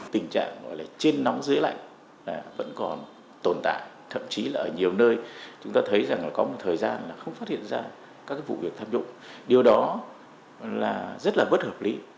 tình trạng trên nóng dưới lạnh vẫn còn tồn tại thậm chí là ở nhiều nơi chúng ta thấy rằng có một thời gian không phát hiện ra các vụ việc tham nhũng điều đó rất là bất hợp lý